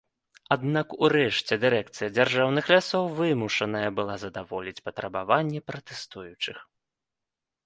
Аднак урэшце дырэкцыя дзяржаўных лясоў вымушаная была задаволіць патрабаванні пратэстуючых.